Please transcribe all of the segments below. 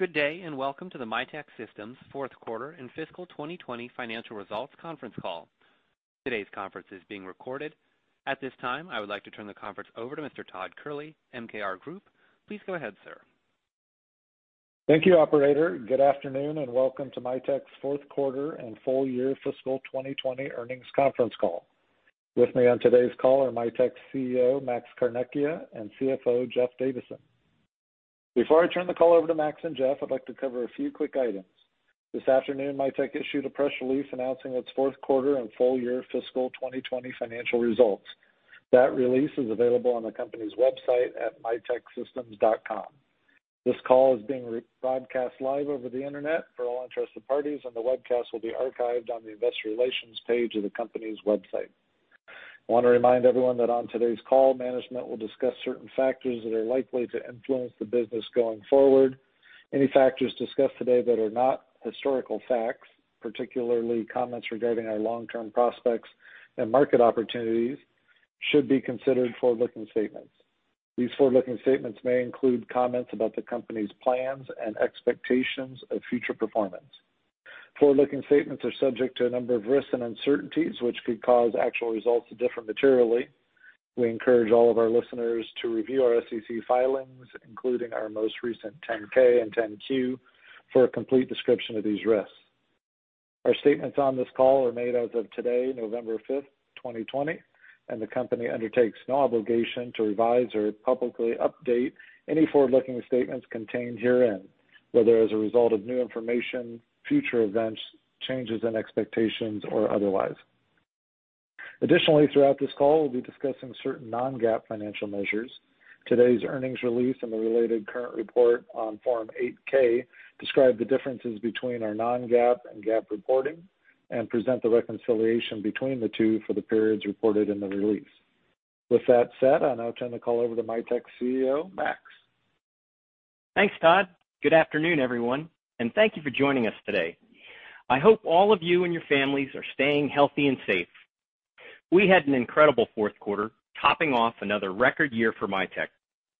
Good day. Welcome to the Mitek Systems fourth quarter and fiscal 2020 financial results conference call. Today's conference is being recorded. At this time, I would like to turn the conference over to Mr. Todd Kehrli, MKR Group. Please go ahead, sir. Thank you, operator. Good afternoon, and welcome to Mitek's fourth quarter and full-year fiscal 2020 earnings conference call. With me on today's call are Mitek's CEO, Max Carnecchia, and CFO, Jeff Davison. Before I turn the call over to Max and Jeff, I'd like to cover a few quick items. This afternoon, Mitek issued a press release announcing its fourth quarter and full-year fiscal 2020 financial results. That release is available on the company's website at miteksystems.com. This call is being broadcast live over the internet for all interested parties, and the webcast will be archived on the investor relations page of the company's website. I want to remind everyone that on today's call, management will discuss certain factors that are likely to influence the business going forward. Any factors discussed today that are not historical facts, particularly comments regarding our long-term prospects and market opportunities, should be considered forward-looking statements. These forward-looking statements may include comments about the company's plans and expectations of future performance. Forward-looking statements are subject to a number of risks and uncertainties, which could cause actual results to differ materially. We encourage all of our listeners to review our SEC filings, including our most recent 10-K and 10-Q, for a complete description of these risks. Our statements on this call are made as of today, November 5th, 2020, and the company undertakes no obligation to revise or publicly update any forward-looking statements contained herein, whether as a result of new information, future events, changes in expectations, or otherwise. Additionally, throughout this call, we'll be discussing certain non-GAAP financial measures. Today's earnings release and the related current report on Form 8-K describe the differences between our non-GAAP and GAAP reporting and present the reconciliation between the two for the periods reported in the release. With that said, I'll now turn the call over to Mitek's CEO, Max. Thanks, Todd. Good afternoon, everyone, and thank you for joining us today. I hope all of you and your families are staying healthy and safe. We had an incredible fourth quarter, topping off another record year for Mitek.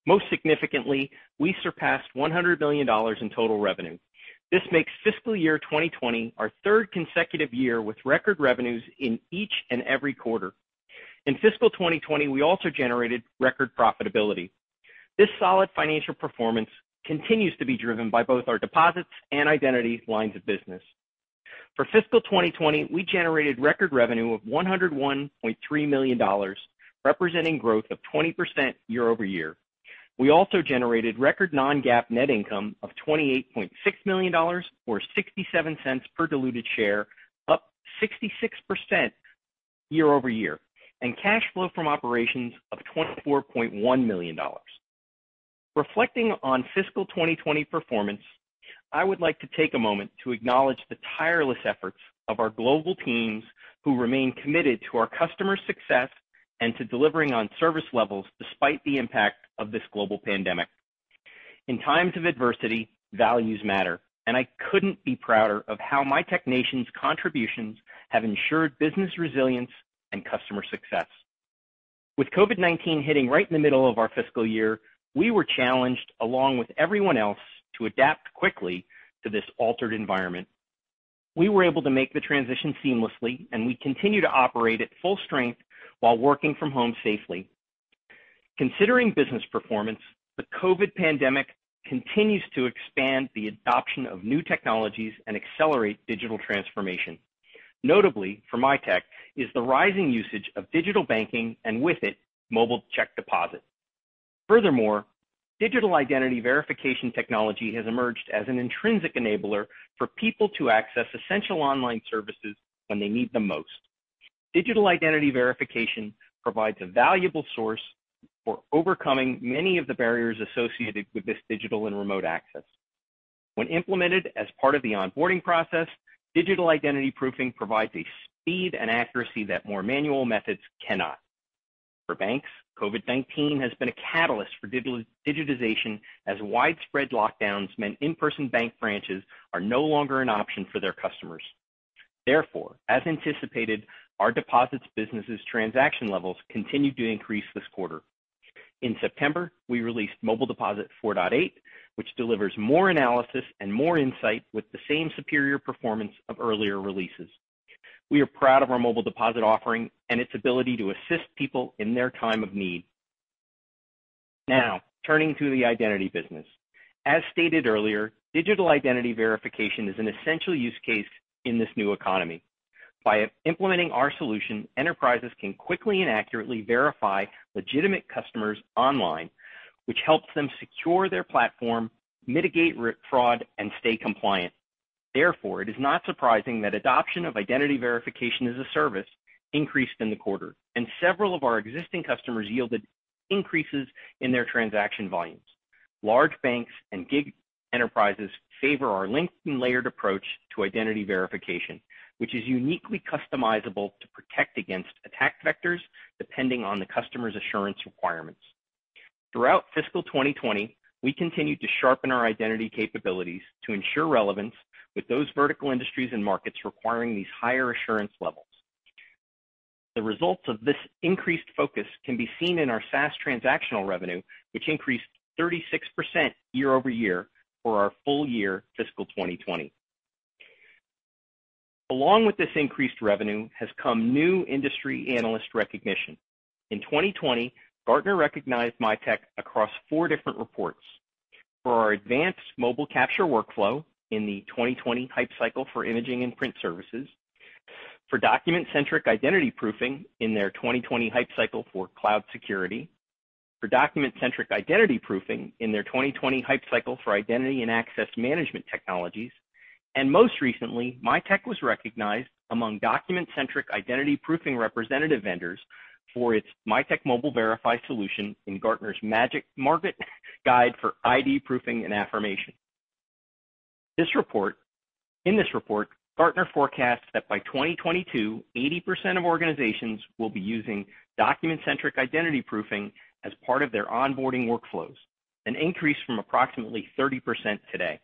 Most significantly, we surpassed $100 million in total revenue. This makes fiscal year 2020 our third consecutive year with record revenues in each and every quarter. In fiscal 2020, we also generated record profitability. This solid financial performance continues to be driven by both our deposits and identity lines of business. For fiscal 2020, we generated record revenue of $101.3 million, representing growth of 20% year-over-year. We also generated record non-GAAP net income of $28.6 million, or $0.67 per diluted share, up 66% year-over-year, and cash flow from operations of $24.1 million. Reflecting on fiscal 2020 performance, I would like to take a moment to acknowledge the tireless efforts of our global teams who remain committed to our customers' success and to delivering on service levels despite the impact of this global pandemic. In times of adversity, values matter, and I couldn't be prouder of how Mitek nation's contributions have ensured business resilience and customer success. With COVID-19 hitting right in the middle of our fiscal year, we were challenged along with everyone else to adapt quickly to this altered environment. We were able to make the transition seamlessly, and we continue to operate at full strength while working from home safely. Considering business performance, the COVID pandemic continues to expand the adoption of new technologies and accelerate digital transformation. Notably for Mitek is the rising usage of digital banking, and with it, mobile check deposit. Furthermore, digital identity verification technology has emerged as an intrinsic enabler for people to access essential online services when they need them most. Digital identity verification provides a valuable source for overcoming many of the barriers associated with this digital and remote access. When implemented as part of the onboarding process, digital identity proofing provides a speed and accuracy that more manual methods cannot. For banks, COVID-19 has been a catalyst for digitization as widespread lockdowns meant in-person bank branches are no longer an option for their customers. Therefore, as anticipated, our deposits business' transaction levels continued to increase this quarter. In September, we released Mobile Deposit 4.8, which delivers more analysis and more insight with the same superior performance of earlier releases. We are proud of our Mobile Deposit offering and its ability to assist people in their time of need. Now, turning to the identity business. As stated earlier, digital identity verification is an essential use case in this new economy. By implementing our solution, enterprises can quickly and accurately verify legitimate customers online, which helps them secure their platform, mitigate fraud, and stay compliant. Therefore, it is not surprising that adoption of identity verification as a service increased in the quarter, and several of our existing customers yielded increases in their transaction volumes. Large banks and gig enterprises favor our length and layered approach to identity verification, which is uniquely customizable to protect against attack vectors depending on the customer's assurance requirements. Throughout fiscal 2020, we continued to sharpen our identity capabilities to ensure relevance with those vertical industries and markets requiring these higher assurance levels. The results of this increased focus can be seen in our SaaS transactional revenue, which increased 36% year-over-year for our full year fiscal 2020. Along with this increased revenue has come new industry analyst recognition. In 2020, Gartner recognized Mitek across four different reports. For our advanced mobile capture workflow in the 2020 Hype Cycle for Imaging and Print Services, for document-centric identity proofing in their 2020 Hype Cycle for Cloud Security, for document-centric identity proofing in their 2020 Hype Cycle for Identity and Access Management Technologies, and most recently, Mitek was recognized among document-centric identity proofing representative vendors for its Mitek Mobile Verify solution in Gartner's Market Guide for Identity Proofing and Affirmation. In this report, Gartner forecasts that by 2022, 80% of organizations will be using document-centric identity proofing as part of their onboarding workflows, an increase from approximately 30% today.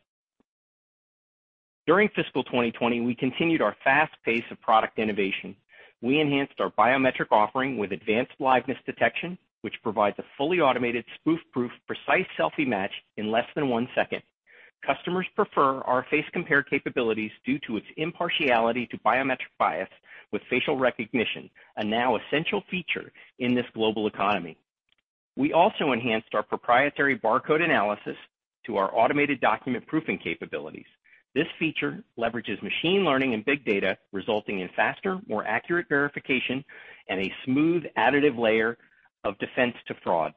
During fiscal 2020, we continued our fast pace of product innovation. We enhanced our biometric offering with advanced liveness detection, which provides a fully automated spoof-proof, precise selfie match in less than one second. Customers prefer our face compare capabilities due to its impartiality to biometric bias with facial recognition, a now essential feature in this global economy. We also enhanced our proprietary barcode analysis to our automated document proofing capabilities. This feature leverages machine learning and big data, resulting in faster, more accurate verification and a smooth additive layer of defense to fraud.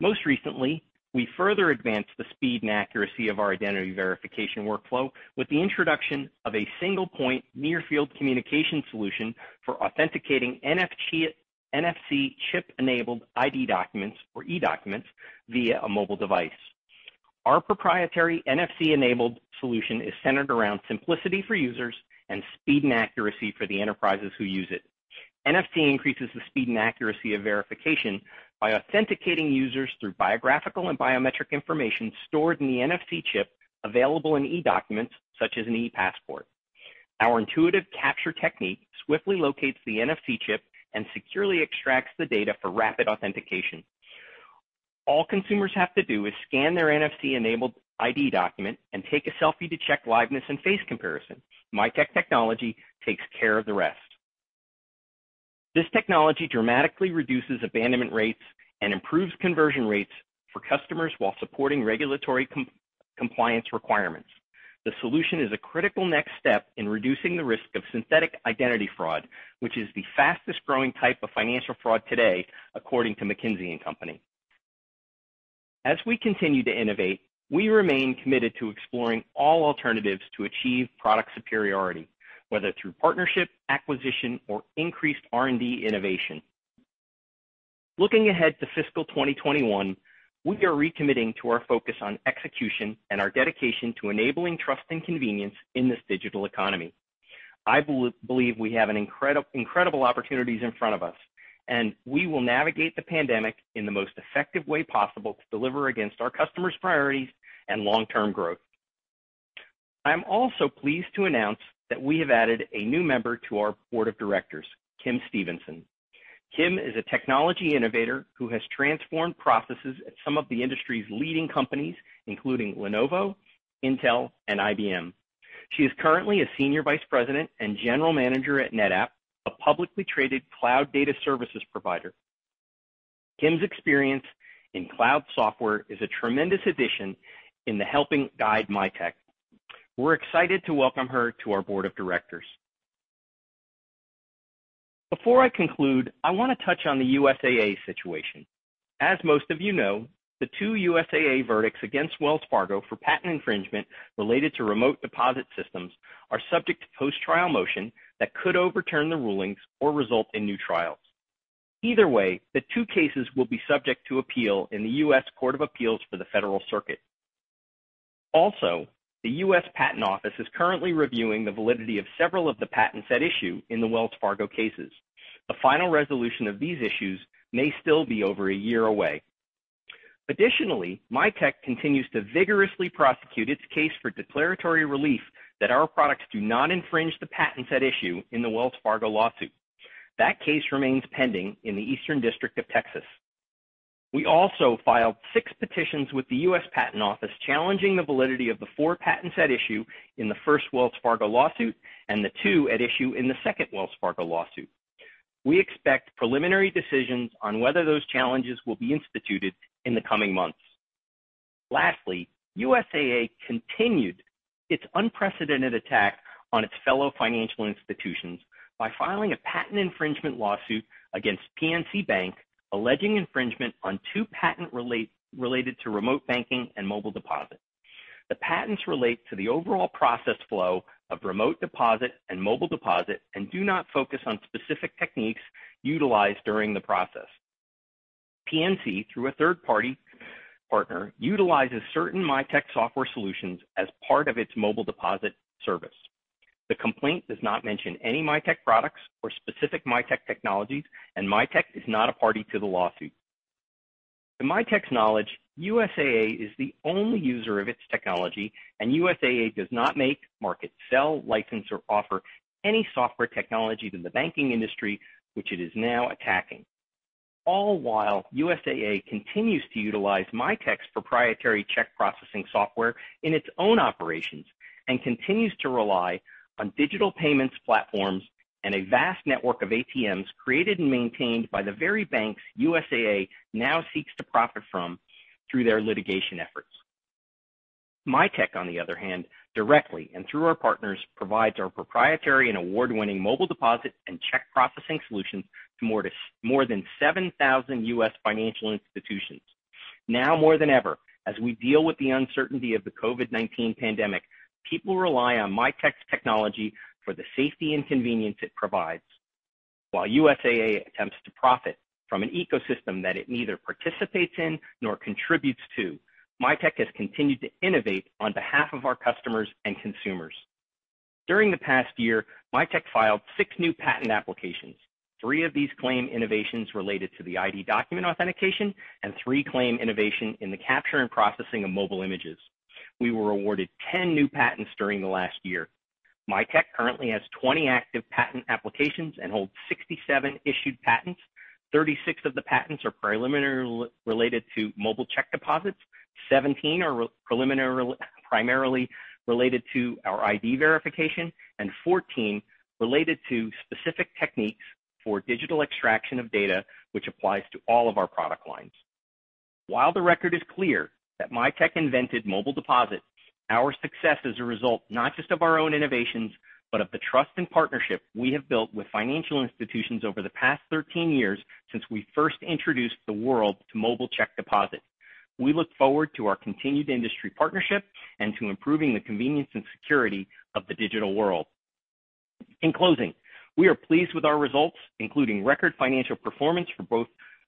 Most recently, we further advanced the speed and accuracy of our identity verification workflow with the introduction of a single point near-field communication solution for authenticating NFC chip-enabled ID documents or eDocuments via a mobile device. Our proprietary NFC-enabled solution is centered around simplicity for users and speed and accuracy for the enterprises who use it. NFC increases the speed and accuracy of verification by authenticating users through biographical and biometric information stored in the NFC chip available in eDocuments such as an ePassport. Our intuitive capture technique swiftly locates the NFC chip and securely extracts the data for rapid authentication. All consumers have to do is scan their NFC-enabled ID document and take a selfie to check liveness and face comparison. Mitek technology takes care of the rest. This technology dramatically reduces abandonment rates and improves conversion rates for customers while supporting regulatory compliance requirements. The solution is a critical next step in reducing the risk of synthetic identity fraud, which is the fastest-growing type of financial fraud today, according to McKinsey & Company. As we continue to innovate, we remain committed to exploring all alternatives to achieve product superiority, whether through partnership, acquisition, or increased R&D innovation. Looking ahead to fiscal 2021, we are recommitting to our focus on execution and our dedication to enabling trust and convenience in this digital economy. I believe we have incredible opportunities in front of us, and we will navigate the pandemic in the most effective way possible to deliver against our customers' priorities and long-term growth. I am also pleased to announce that we have added a new member to our board of directors, Kim Stevenson. Kim is a technology innovator who has transformed processes at some of the industry's leading companies, including Lenovo, Intel, and IBM. She is currently a Senior Vice president and General Manager at NetApp, a publicly traded cloud data services provider. Kim's experience in cloud software is a tremendous addition in the helping guide Mitek. We're excited to welcome her to our board of directors. Before I conclude, I want to touch on the USAA situation. As most of you know, the two USAA verdicts against Wells Fargo for patent infringement related to remote deposit systems are subject to post-trial motion that could overturn the rulings or result in new trials. Either way, the two cases will be subject to appeal in the U.S. Court of Appeals for the Federal Circuit. Also, the U.S. Patent Office is currently reviewing the validity of several of the patents at issue in the Wells Fargo cases. A final resolution of these issues may still be over a year away. Additionally, Mitek continues to vigorously prosecute its case for declaratory relief that our products do not infringe the patents at issue in the Wells Fargo lawsuit. That case remains pending in the Eastern District of Texas. We also filed six petitions with the U.S. Patent Office challenging the validity of the four patents at issue in the first Wells Fargo lawsuit and the two at issue in the second Wells Fargo lawsuit. We expect preliminary decisions on whether those challenges will be instituted in the coming months. Lastly, USAA continued its unprecedented attack on its fellow financial institutions by filing a patent infringement lawsuit against PNC Bank, alleging infringement on two patents related to remote banking and Mobile Deposit. The patents relate to the overall process flow of remote deposit and Mobile Deposit and do not focus on specific techniques utilized during the process. PNC, through a third-party partner, utilizes certain Mitek software solutions as part of its Mobile Deposit service. The complaint does not mention any Mitek products or specific Mitek technologies, and Mitek is not a party to the lawsuit. To Mitek's knowledge, USAA is the only user of its technology, and USAA does not make, market, sell, license, or offer any software technology to the banking industry, which it is now attacking. All while USAA continues to utilize Mitek's proprietary check processing software in its own operations and continues to rely on digital payments platforms and a vast network of ATMs created and maintained by the very banks USAA now seeks to profit from through their litigation efforts. Mitek, on the other hand, directly and through our partners, provides our proprietary and award-winning Mobile Deposit and check processing solutions to more than 7,000 U.S. financial institutions. Now more than ever, as we deal with the uncertainty of the COVID-19 pandemic, people rely on Mitek's technology for the safety and convenience it provides. While USAA attempts to profit from an ecosystem that it neither participates in nor contributes to, Mitek has continued to innovate on behalf of our customers and consumers. During the past year, Mitek filed six new patent applications. Three of these claim innovations related to the ID document authentication, and three claim innovation in the capture and processing of mobile images. We were awarded 10 new patents during the last year. Mitek currently has 20 active patent applications and holds 67 issued patents. 36 of the patents are preliminary related to mobile check deposits, 17 are primarily related to our ID verification, and 14 related to specific techniques for digital extraction of data, which applies to all of our product lines. While the record is clear that Mitek invented Mobile Deposit, our success is a result, not just of our own innovations, but of the trust and partnership we have built with financial institutions over the past 13 years since we first introduced the world to mobile check deposit. We look forward to our continued industry partnership and to improving the convenience and security of the digital world. In closing, we are pleased with our results, including record financial performance for both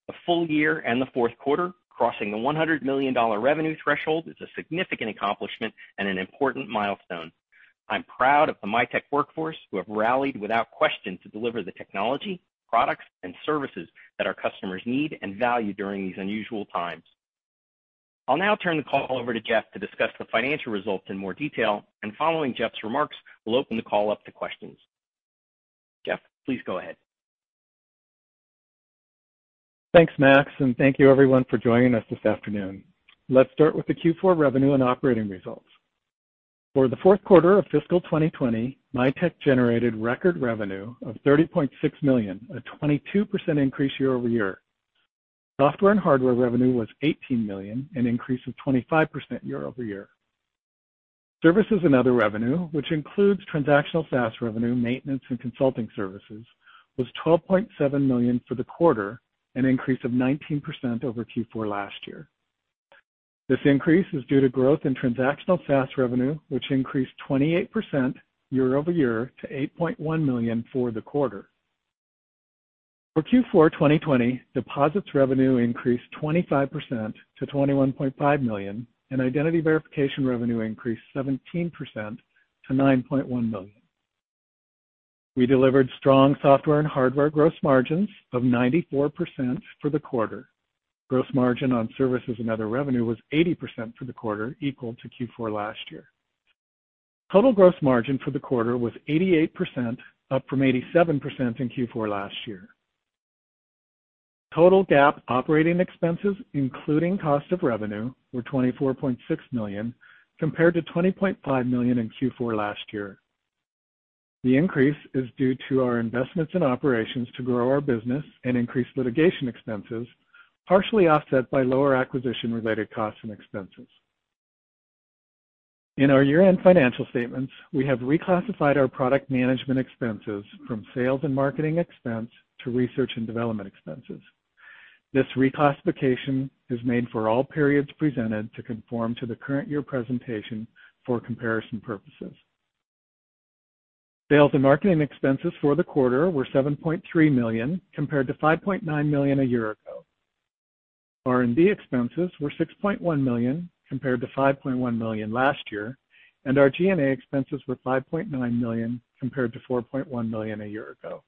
the full year and the fourth quarter. Crossing the $100 million revenue threshold is a significant accomplishment and an important milestone. I'm proud of the Mitek workforce, who have rallied without question to deliver the technology, products, and services that our customers need and value during these unusual times. I'll now turn the call over to Jeff to discuss the financial results in more detail, and following Jeff's remarks, we'll open the call up to questions. Jeff, please go ahead. Thanks, Max, and thank you everyone for joining us this afternoon. Let's start with the Q4 revenue and operating results. For the fourth quarter of fiscal 2020, Mitek generated record revenue of $30.6 million, a 22% increase year-over-year. Software and hardware revenue was $18 million, an increase of 25% year-over-year. Services and other revenue, which includes transactional SaaS revenue, maintenance, and consulting services, was $12.7 million for the quarter, an increase of 19% over Q4 last year. This increase is due to growth in transactional SaaS revenue, which increased 28% year-over-year to $8.1 million for the quarter. For Q4 2020, deposits revenue increased 25% to $21.5 million, and identity verification revenue increased 17% to $9.1 million. We delivered strong software and hardware gross margins of 94% for the quarter. Gross margin on services and other revenue was 80% for the quarter, equal to Q4 last year. Total gross margin for the quarter was 88%, up from 87% in Q4 last year. Total GAAP operating expenses, including cost of revenue, were $24.6 million compared to $20.5 million in Q4 last year. The increase is due to our investments in operations to grow our business and increase litigation expenses, partially offset by lower acquisition-related costs and expenses. In our year-end financial statements, we have reclassified our product management expenses from sales and marketing expense to research and development expenses. This reclassification is made for all periods presented to conform to the current year presentation for comparison purposes. Sales and marketing expenses for the quarter were $7.3 million, compared to $5.9 million a year ago. R&D expenses were $6.1 million, compared to $5.1 million last year, and our G&A expenses were $5.9 million, compared to $4.1 million a year ago.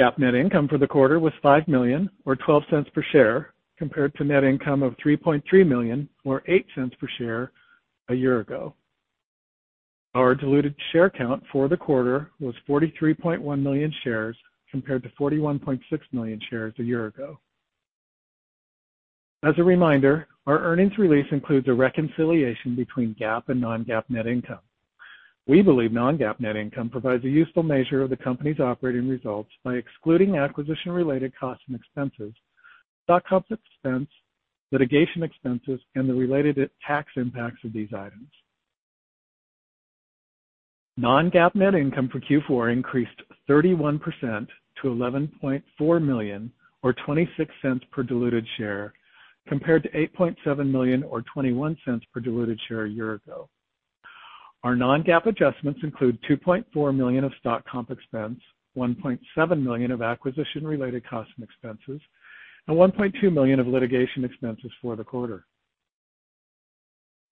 GAAP net income for the quarter was $5 million or $0.12 per share, compared to net income of $3.3 million or $0.08 per share a year ago. Our diluted share count for the quarter was 43.1 million shares compared to 41.6 million shares a year ago. As a reminder, our earnings release includes a reconciliation between GAAP and non-GAAP net income. We believe non-GAAP net income provides a useful measure of the company's operating results by excluding acquisition-related costs and expenses, stock comp expense, litigation expenses, and the related tax impacts of these items. Non-GAAP net income for Q4 increased 31% to $11.4 million or $0.26 per diluted share, compared to $8.7 million or $0.21 per diluted share a year ago. Our non-GAAP adjustments include $2.4 million of stock comp expense, $1.7 million of acquisition-related costs and expenses, and $1.2 million of litigation expenses for the quarter.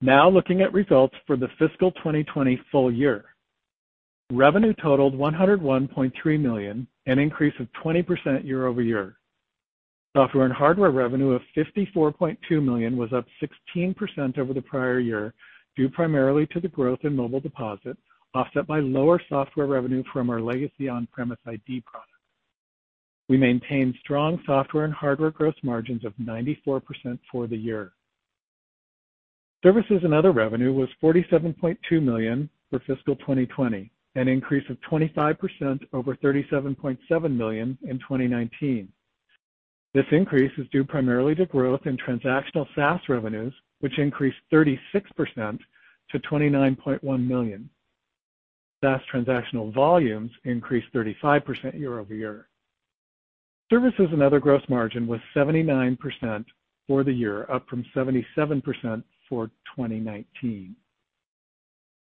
Looking at results for the fiscal 2020 full year. Revenue totaled $101.3 million, an increase of 20% year-over-year. Software and hardware revenue of $54.2 million was up 16% over the prior year, due primarily to the growth in Mobile Deposit, offset by lower software revenue from our legacy on-premise ID product. We maintained strong software and hardware gross margins of 94% for the year. Services and other revenue was $47.2 million for fiscal 2020, an increase of 25% over $37.7 million in 2019. This increase is due primarily to growth in transactional SaaS revenues, which increased 36% to $29.1 million. SaaS transactional volumes increased 35% year-over-year. Services and other gross margin was 79% for the year, up from 77% for 2019.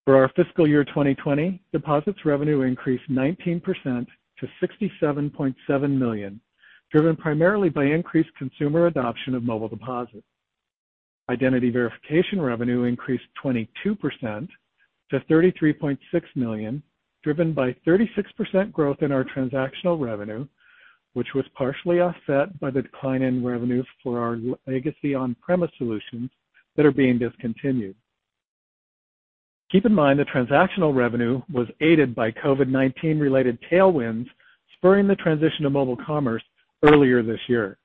For our fiscal year 2020, deposits revenue increased 19% to $67.7 million, driven primarily by increased consumer adoption of Mobile Deposit. Identity verification revenue increased 22% to $33.6 million, driven by 36% growth in our transactional revenue, which was partially offset by the decline in revenue for our legacy on-premise solutions that are being discontinued. Keep in mind that transactional revenue was aided by COVID-19 related tailwinds spurring the transition to mobile commerce earlier this year.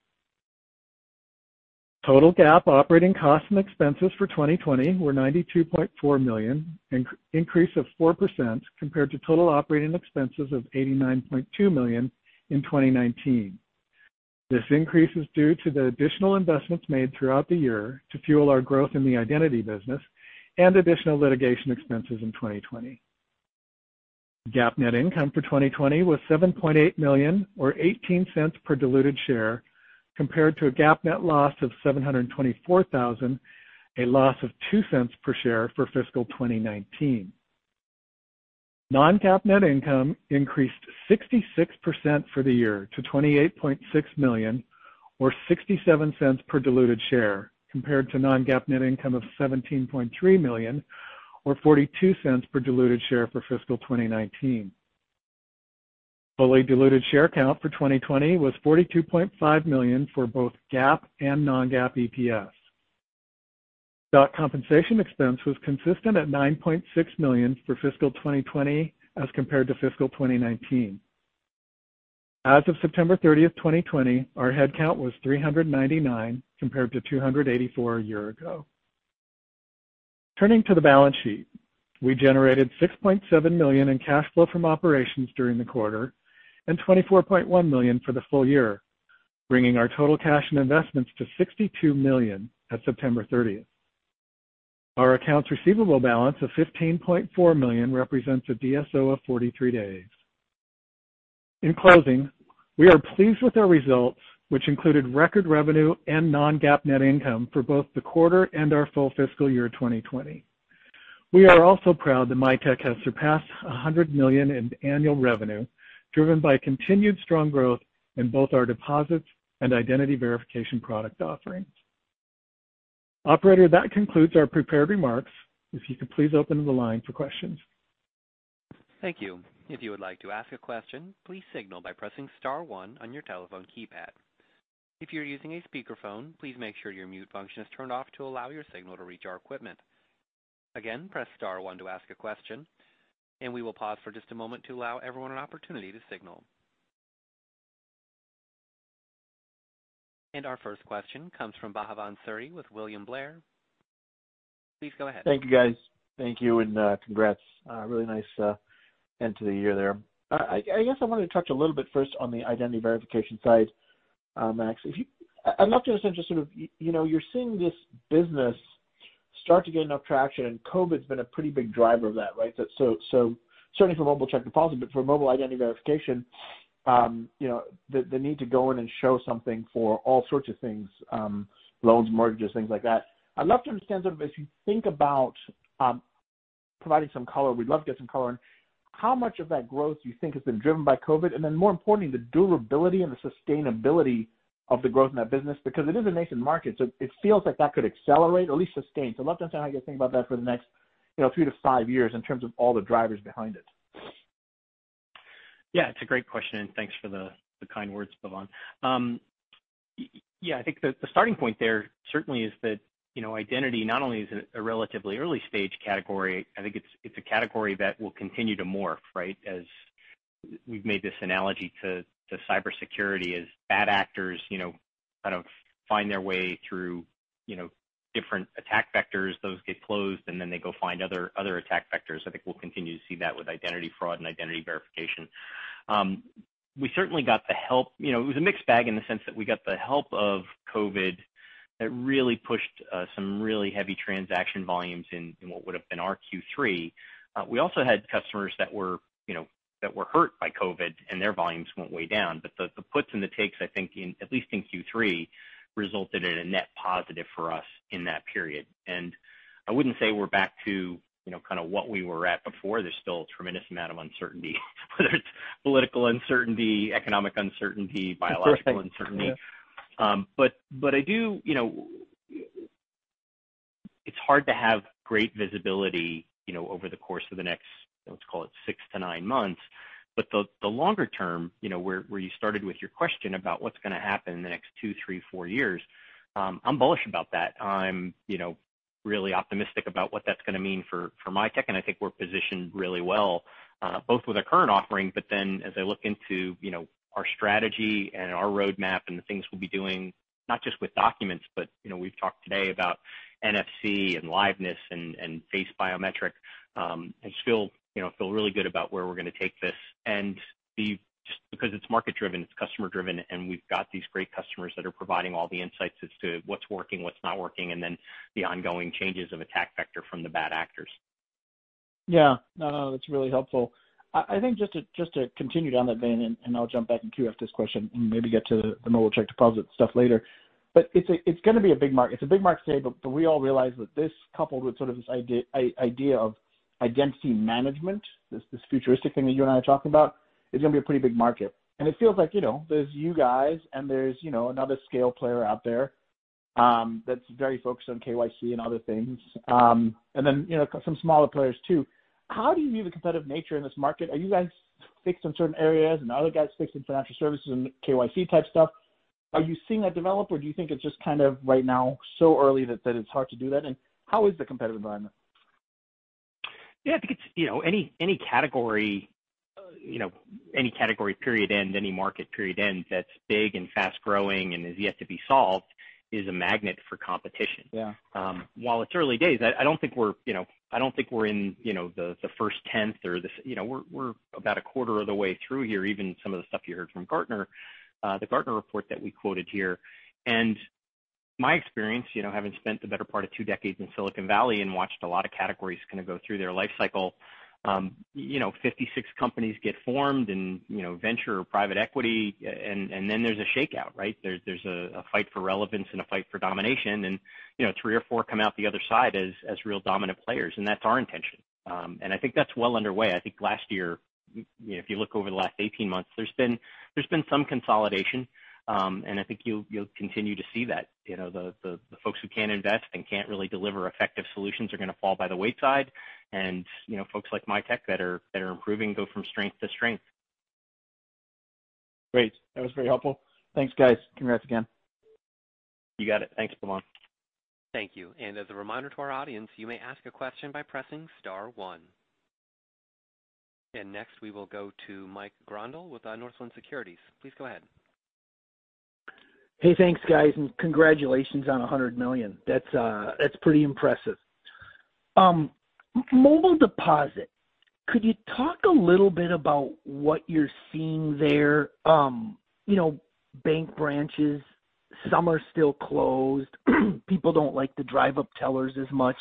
Total GAAP operating costs and expenses for 2020 were $92.4 million, an increase of 4% compared to total operating expenses of $89.2 million in 2019. This increase is due to the additional investments made throughout the year to fuel our growth in the identity business and additional litigation expenses in 2020. GAAP net income for 2020 was $7.8 million or $0.18 per diluted share, compared to a GAAP net loss of $724,000, a loss of $0.02 per share for fiscal 2019. Non-GAAP net income increased 66% for the year to $28.6 million or $0.67 per diluted share, compared to non-GAAP net income of $17.3 million or $0.42 per diluted share for fiscal 2019. Fully diluted share count for 2020 was 42.5 million for both GAAP and non-GAAP EPS. Stock compensation expense was consistent at $9.6 million for fiscal 2020 as compared to fiscal 2019. As of September 30, 2020, our headcount was 399, compared to 284 a year ago. Turning to the balance sheet, we generated $6.7 million in cash flow from operations during the quarter and $24.1 million for the full year, bringing our total cash and investments to $62 million at September 30. Our accounts receivable balance of $15.4 million represents a DSO of 43 days. In closing, we are pleased with our results, which included record revenue and non-GAAP net income for both the quarter and our full fiscal year 2020. We are also proud that Mitek has surpassed $100 million in annual revenue, driven by continued strong growth in both our deposits and identity verification product offerings. Operator, that concludes our prepared remarks. If you could please open the line for questions. Thank you. If you would like to ask a question, please signal by pressing star one on your telephone keypad. If you're using a speakerphone, please make sure your mute function is turned off to allow your signal to reach our equipment. Again, press star one to ask a question, and we will pause for just a moment to allow everyone an opportunity to signal. Our first question comes from Bhavan Suri with William Blair. Please go ahead. Thank you, guys. Thank you, and congrats. A really nice end to the year there. I guess I wanted to touch a little bit first on the identity verification side, Max. I'd love to understand just sort of, you're seeing this business start to get enough traction, COVID's been a pretty big driver of that, right? Certainly for Mobile Deposit, but for Mobile Verify the need to go in and show something for all sorts of things loans, mortgages, things like that. I'd love to understand sort of, as you think about providing some color, we'd love to get some color on how much of that growth do you think has been driven by COVID, and then more importantly, the durability and the sustainability of the growth in that business, because it is a nascent market, so it feels like that could accelerate or at least sustain. I'd love to understand how you think about that for the next three to five years in terms of all the drivers behind it. It's a great question, and thanks for the kind words, Bhavan. I think the starting point there certainly is that identity not only is a relatively early-stage category, I think it's a category that will continue to morph, right? As we've made this analogy to cybersecurity, as bad actors kind of find their way through different attack vectors, those get closed, and then they go find other attack vectors. I think we'll continue to see that with identity fraud and identity verification. We certainly got the help. It was a mixed bag in the sense that we got the help of COVID that really pushed some really heavy transaction volumes in what would've been our Q3. We also had customers that were hurt by COVID and their volumes went way down. The puts and the takes, I think in at least in Q3, resulted in a net positive for us in that period. I wouldn't say we're back to kind of what we were at before. There's still a tremendous amount of uncertainty, whether it's political uncertainty, economic uncertainty, biological uncertainty. It's hard to have great visibility over the course of the next, let's call it six to nine months. The longer term, where you started with your question about what's going to happen in the next two, three, four years, I'm bullish about that. I'm really optimistic about what that's going to mean for Mitek, and I think we're positioned really well, both with our current offering, but then as I look into our strategy and our roadmap and the things we'll be doing, not just with documents, but we've talked today about NFC and liveness and face biometric. I feel really good about where we're going to take this and because it's market-driven, it's customer-driven, and we've got these great customers that are providing all the insights as to what's working, what's not working, and then the ongoing changes of attack vector from the bad actors. Yeah. No, that's really helpful. I think just to continue down that vein, I'll jump back and qu this question and maybe get to the mobile check deposit stuff later. It's going to be a big market. It's a big market today, but we all realize that this, coupled with sort of this idea of identity management, this futuristic thing that you and I are talking about, is going to be a pretty big market. It feels like there's you guys and there's another scale player out there that's very focused on KYC and other things. Then some smaller players, too. How do you view the competitive nature in this market? Are you guys fixed in certain areas and the other guys fixed in financial services and KYC type stuff? Are you seeing that develop, or do you think it's just kind of right now so early that it's hard to do that? How is the competitive environment? Yeah, I think any category, period, end, any market, period, end, that's big and fast-growing and is yet to be solved is a magnet for competition. Yeah. While it's early days, I don't think we're in the first 10th. We're about a quarter of the way through here, even some of the stuff you heard from Gartner, the Gartner report that we quoted here. My experience, having spent the better part of two decades in Silicon Valley and watched a lot of categories go through their life cycle, 56 companies get formed in venture or private equity, and then there's a shakeout, right? There's a fight for relevance and a fight for domination and three or four come out the other side as real dominant players, and that's our intention. I think that's well underway. I think last year, if you look over the last 18 months, there's been some consolidation, and I think you'll continue to see that. The folks who can't invest and can't really deliver effective solutions are going to fall by the wayside and folks like Mitek that are improving go from strength to strength. Great. That was very helpful. Thanks, guys. Congrats again. You got it. Thanks, Bhavan. Thank you. As a reminder to our audience, you may ask a question by pressing star one. Next, we will go to Mike Grondahl with Northland Securities. Please go ahead. Hey, thanks, guys, and congratulations on $100 million. That's pretty impressive. Mobile Deposit, could you talk a little bit about what you're seeing there? Bank branches, some are still closed. People don't like the drive-up tellers as much.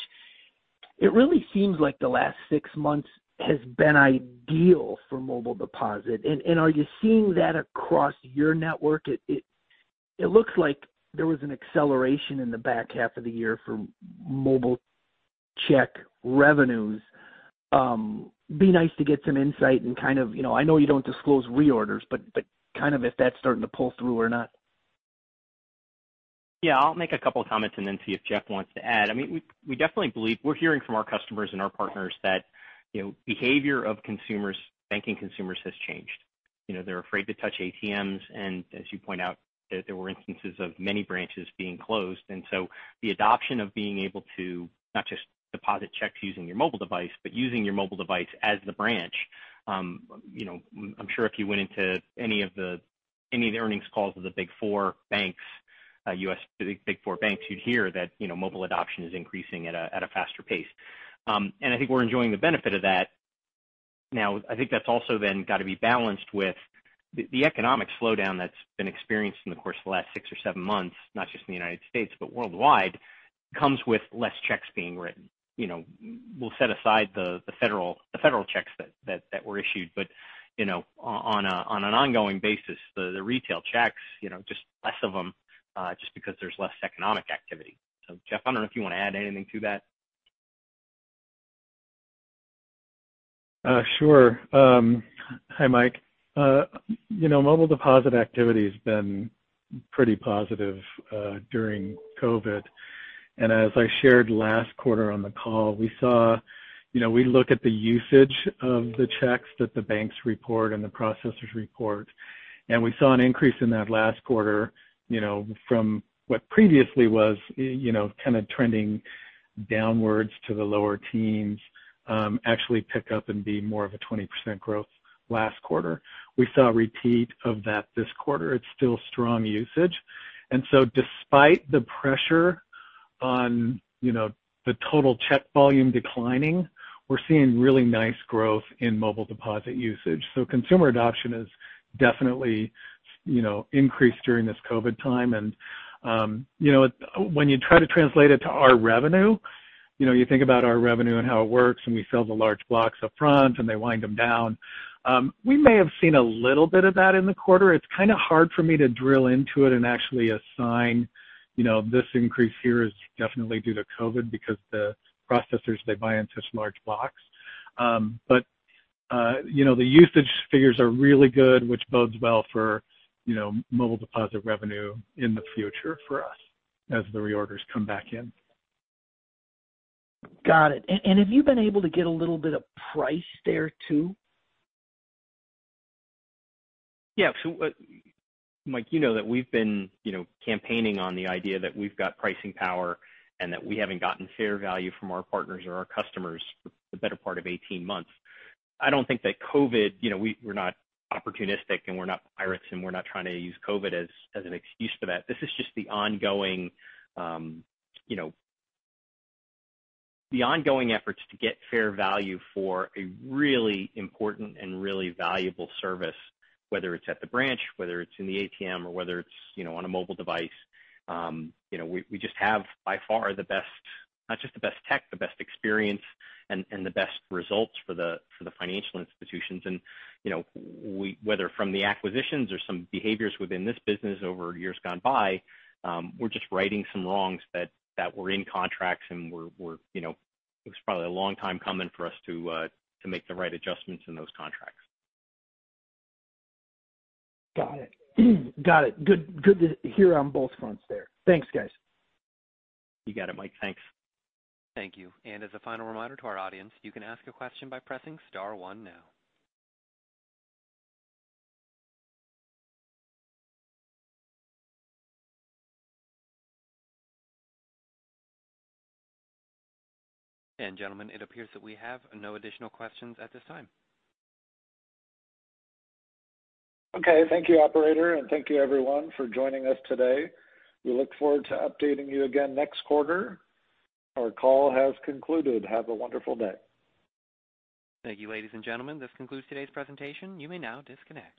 It really seems like the last six months has been ideal for Mobile Deposit. Are you seeing that across your network? It looks like there was an acceleration in the back half of the year for mobile check revenues. Be nice to get some insight and kind of I know you don't disclose reorders, but kind of if that's starting to pull through or not. I'll make a couple comments and then see if Jeff wants to add. We definitely believe we're hearing from our customers and our partners that behavior of banking consumers has changed. They're afraid to touch ATMs, and as you point out, there were instances of many branches being closed. So the adoption of being able to not just deposit checks using your mobile device, but using your mobile device as the branch. I'm sure if you went into any of the earnings calls of the big four banks, U.S. big four banks, you'd hear that mobile adoption is increasing at a faster pace. I think we're enjoying the benefit of that now. I think that's also then got to be balanced with the economic slowdown that's been experienced in the course of the last six or seven months, not just in the U.S., but worldwide, comes with less checks being written. We'll set aside the federal checks that were issued, but on an ongoing basis, the retail checks, just less of them just because there's less economic activity. Jeff, I don't know if you want to add anything to that. Sure. Hi, Mike. Mobile Deposit activity has been pretty positive during COVID, and as I shared last quarter on the call, we look at the usage of the checks that the banks report and the processors report, and we saw an increase in that last quarter from what previously was kind of trending downwards to the lower teens actually pick up and be more of a 20% growth last quarter. We saw a repeat of that this quarter. It's still strong usage. Despite the pressure on the total check volume declining, we're seeing really nice growth in Mobile Deposit usage. Consumer adoption has definitely increased during this COVID time. When you try to translate it to our revenue, you think about our revenue and how it works, and we sell the large blocks upfront, and they wind them down. We may have seen a little bit of that in the quarter. It's kind of hard for me to drill into it and actually assign this increase here is definitely due to COVID-19 because the processors, they buy into large blocks. The usage figures are really good, which bodes well for Mobile Deposit revenue in the future for us as the reorders come back in. Got it. Have you been able to get a little bit of price there too? Yeah. Mike, you know that we've been campaigning on the idea that we've got pricing power and that we haven't gotten fair value from our partners or our customers for the better part of 18 months. We're not opportunistic, and we're not pirates, and we're not trying to use COVID-19 as an excuse for that. This is just the ongoing efforts to get fair value for a really important and really valuable service, whether it's at the branch, whether it's in the ATM, or whether it's on a mobile device. We just have, by far, the best, not just the best tech, the best experience and the best results for the financial institutions. Whether from the acquisitions or some behaviors within this business over years gone by, we're just righting some wrongs that were in contracts, and it was probably a long time coming for us to make the right adjustments in those contracts. Got it. Good to hear on both fronts there. Thanks, guys. You got it, Mike. Thanks. Thank you. As a final reminder to our audience, you can ask a question by pressing star one now. Gentlemen, it appears that we have no additional questions at this time. Okay. Thank you, operator, and thank you, everyone, for joining us today. We look forward to updating you again next quarter. Our call has concluded. Have a wonderful day. Thank you, ladies and gentlemen. This concludes today's presentation. You may now disconnect.